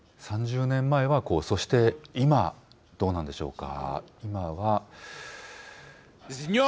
３０年前はこう、そして今、どうなんでしょうか。